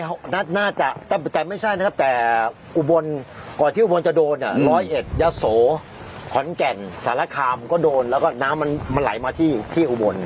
น่าจะแต่ไม่ใช่นะครับแต่อุบลก่อนที่อุบลจะโดนอ่ะร้อยเอ็ดยะโสขอนแก่นสารคามก็โดนแล้วก็น้ำมันมันไหลมาที่ที่อุบล